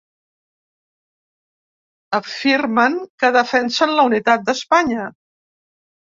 Afirmen que defensen la unitat d’Espanya.